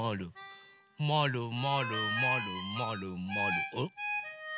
まるまるまるまるまるおっ。